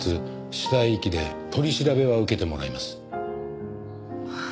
死体遺棄で取り調べは受けてもらいます。